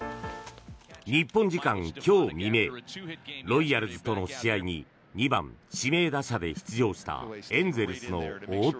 日本時間今日未明ロイヤルズとの試合に２番指名打者で出場したエンゼルスの大谷。